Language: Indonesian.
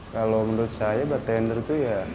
kalau menurut saya bertender itu ya